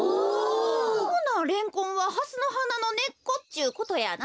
ほなレンコンはハスのはなのねっこっちゅうことやな？